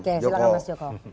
silahkan mas joko